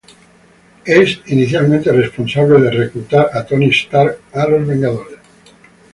Él es inicialmente responsable de reclutar a Tony Stark a los Vengadores.